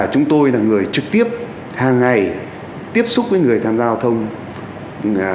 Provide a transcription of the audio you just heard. chúng tôi là người trực tiếp hàng ngày tiếp xúc với người tham gia giao thông